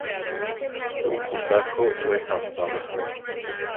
Ukuka ko we sambama.